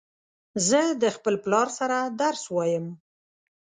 زه د خپل پلار سره درس وایم